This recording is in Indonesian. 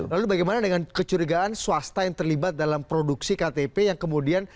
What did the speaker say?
lalu bagaimana dengan kecurigaan swasta yang terlibat dalam produksi ktp yang kemudian